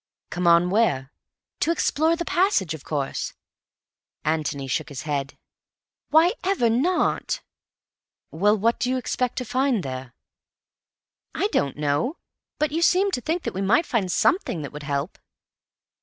"Come on where?" "To explore the passage, of course." Antony shook his head. "Why ever not?" "Well, what do you expect to find there?" "I don't know. But you seemed to think that we might find something that would help."